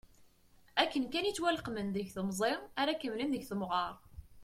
Akken kan i ttwaleqmen deg temẓi ara kemmlen deg temɣer.